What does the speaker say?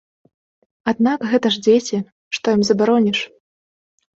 Аднак гэта ж дзеці, што ім забароніш?